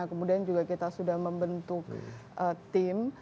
kemudian juga kita sudah membentuk tim